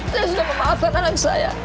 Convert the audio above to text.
saya sudah memaafkan anakku sayang